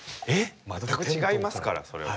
全く違いますからそれは。